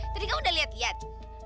tadi kamu udah liat liat